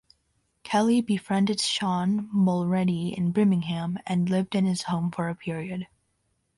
Kelly befriended Sean Mulready in Birmingham and lived in his home for a period.